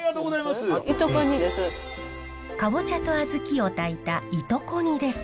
カボチャと小豆を炊いたいとこ煮です。